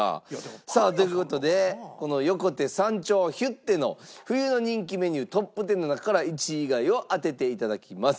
さあという事でこの横手山頂ヒュッテの冬の人気メニュートップ１０の中から１位以外を当てていただきます。